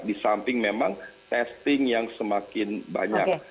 di samping memang testing yang semakin banyak